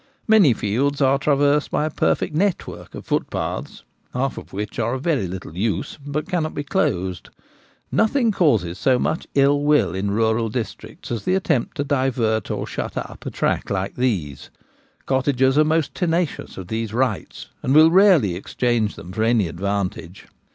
Many fields are traversed by a perfect network of footpaths, half of which are of very little use but cannot be closed. Nothing causes so much ill will in rural districts as the attempt to divert or shut up a track like this. Cottagers are most tenacious of these 'rights,' and will rarely exchange them for any advantage.